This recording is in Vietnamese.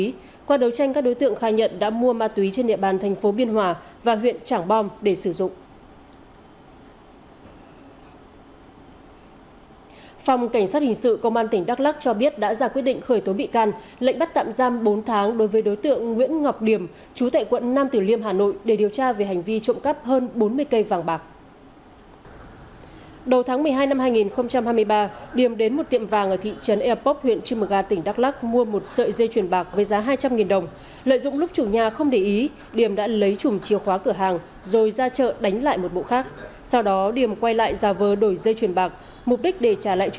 cơ quan cảnh sát điều tra công an thành phố biển hòa và công an thành phố biển hòa đã ra quyết định khởi tố bắt tạm giam bốn đối tượng để điều tra về hành vi tàng trữ trái phép chất ma túy ở tổ hai mươi năm khu phố long đức một phường tam phước tàng vật thu giữ hai mươi gói ma túy